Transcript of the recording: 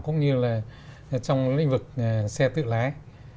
cũng như là trong lĩnh vực xe tự lái